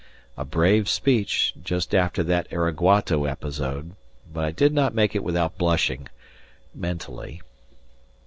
A brave speech, just after that araguato episode; but I did not make it without blushing mentally.